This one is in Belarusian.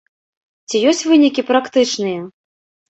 Ці ёсць вынікі практычныя?